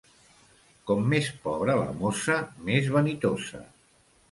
Com més pobre la mossa, més vanitosa.